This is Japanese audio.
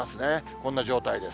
こんな状態です。